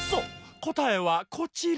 こたえはこちら！